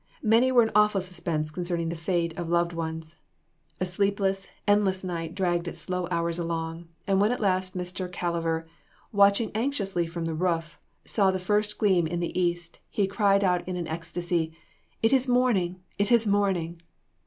Many were in awful suspense concerning the fate of loved ones. A sleepless, endless night dragged its slow hours along, and when at last Mr. Calliver, watching anxiously from the roof, saw the first gleam in the east, he cried out in an ecstasy, "It is morning! it is morning!"